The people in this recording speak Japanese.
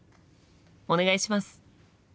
お願いします！